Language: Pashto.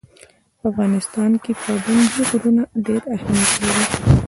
په افغانستان کې پابندی غرونه ډېر اهمیت لري.